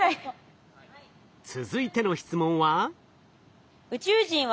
続いての質問は？